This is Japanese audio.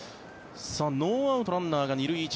ノーアウトランナーが２塁１塁。